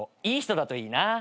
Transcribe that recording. いい人だといいな。